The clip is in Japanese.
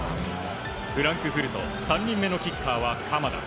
フランクフルト３人目のキッカーは鎌田。